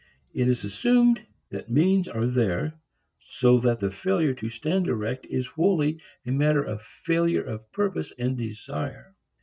It is assumed that means are there, so that the failure to stand erect is wholly a matter of failure of purpose and desire.